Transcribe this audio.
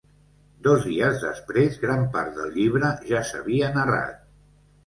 Dos dies després, gran part del llibre ja s'havia narrat.